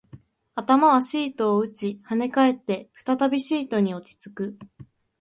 頭はシートを打ち、跳ね返って、再びシートに落ち着く